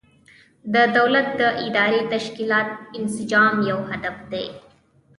د دولت د اداري تشکیلاتو انسجام یو هدف دی.